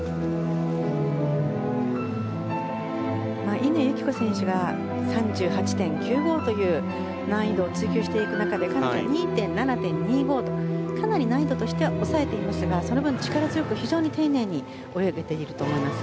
乾友紀子選手が３８．９５という難易度を追求していく中で彼女は２７．２５とかなり難易度としては抑えていますが、その分力強く非常に丁寧に泳げていると思います。